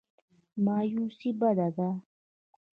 مایوسي بده ده.